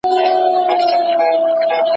په افغانستان کي ډیموکراسي څنګه وه؟